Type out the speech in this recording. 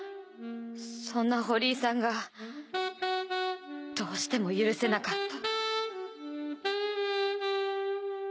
そんな堀井さんがどうしても許せなかった。